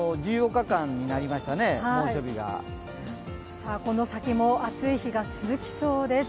１４日間になりましたね、猛暑日がこの先も暑い日が続きそうです。